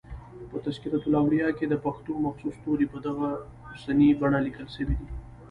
په" تذکرة الاولیاء" کښي دپښتو مخصوص توري په دغه اوسنۍ بڼه لیکل سوي دي.